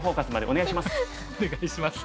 お願いします。